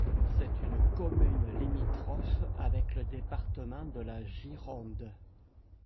C'est une commune limitrophe avec le département de la Gironde.